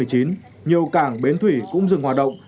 nhiều cảng bến thủy cũng dừng hoạt động